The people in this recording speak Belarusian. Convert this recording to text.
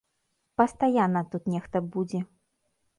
Пастаянна тут нехта будзе.